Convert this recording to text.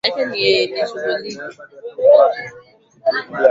sasa wanaamua kuonyesha sanaa yao